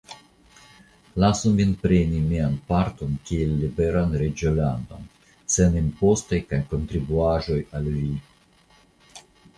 Lasu min preni mian parton kiel liberan reĝolandon, sen impostoj kaj kontribuaĵoj al vi.